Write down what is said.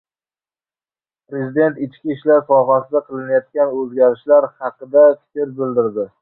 Prezident ichki ishlar sohasida qilinadigan o‘zgarish haqida fikr bildirdi